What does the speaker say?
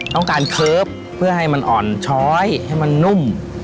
ต้องการเคิร์ฟเพื่อให้มันอ่อนช้อยให้มันนุ่ม